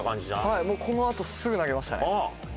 はいこのあとすぐ投げましたね。